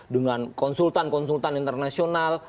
dengan konsultan konsultan internasional